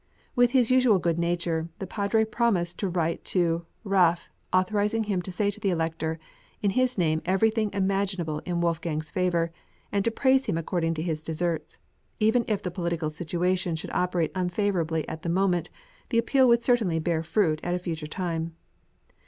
With his usual good nature, the Padre promised to write to Raaff authorising him to say to the Elector "in his name everything imaginable in Wolfgang's MANNHEIM. (408) favour, and to praise him according to his deserts; even if the political situation should operate unfavourably at the moment, the appeal would certainly bear fruit at a future time."